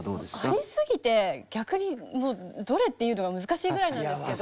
ありすぎて逆にどれっていうのが難しいぐらいなんですけど。